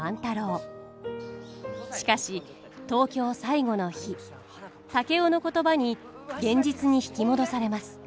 しかし東京最後の日竹雄の言葉に現実に引き戻されます。